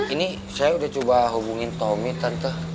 ini saya udah coba hubungin tommy tante